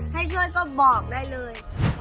ให้ช่วยก็บอกได้เลย